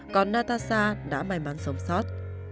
còn natasha đã may mắn sống sót